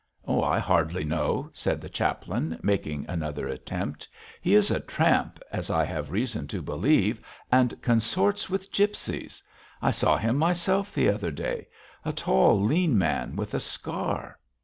'I hardly know,' said the chaplain, making another attempt; 'he is a tramp, as I have reason to believe, and consorts with gipsies. I saw him myself the other day a tall, lean man with a scar.'